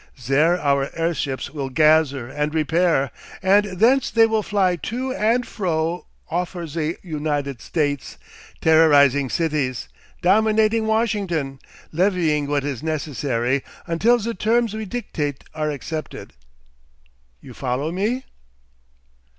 Zere our airships will gazzer and repair, and thence they will fly to and fro ofer ze United States, terrorising cities, dominating Washington, levying what is necessary, until ze terms we dictate are accepted. You follow me?"